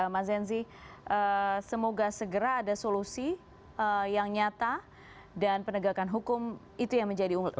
mas zenzi semoga segera ada solusi yang nyata dan penegakan hukum itu yang menjadi unggul